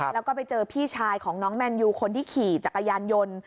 แล้วก็ไปเจอพี่ชายของน้องแมนยูคนที่ขี่จักรยานยนต์